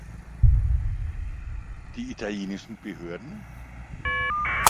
Die italienischen Behörden?